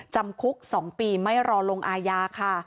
จำคุก๒ปีไม่รอลงอาญาค่ะ